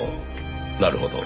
なるほど。